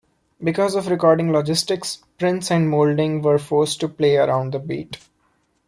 Because of recording logistics, Prince and Moulding were forced to play around the beat.